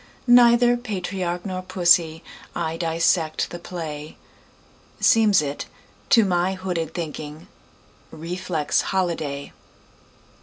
Neither patriarch nor pussy,I dissect the play; Seems it, to my hooded thinking, Reflex holiday.